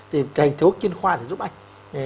thì thầy thuốc chuyên khoa sẽ giúp anh